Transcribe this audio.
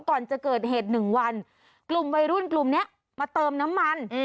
ก่อนจะเกิดเหตุหนึ่งวันกลุ่มวัยรุ่นกลุ่มนี้มาเติมน้ำมัน